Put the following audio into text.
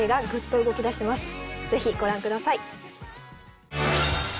ぜひご覧ください。